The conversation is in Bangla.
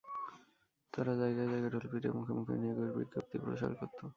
তারা জায়গায় জায়গায় ঢোল পিটিয়ে মুখে মুখে নিয়োগের বিজ্ঞপ্তি প্রচার করত।